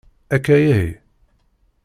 Akka ihi?